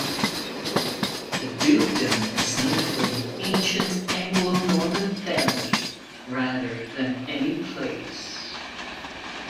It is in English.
The dukedom is named for the ancient Anglo-Norman family rather than any place.